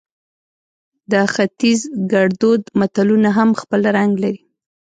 د ختیز ګړدود متلونه هم خپل رنګ لري